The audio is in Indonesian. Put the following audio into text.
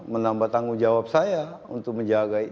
menambah tanggung jawab saya untuk menjaga itu